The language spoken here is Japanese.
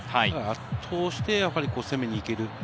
圧倒して攻めに行ける。